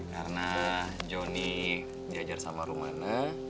karena jonny diajar sama rumana